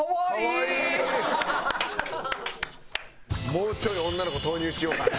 もうちょい女の子投入しようかな。